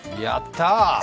やったぁ！